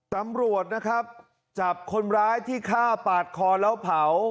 ตำรวจนะครับจับคนร้ายที่ฆ่าปาดคอแล้วเผา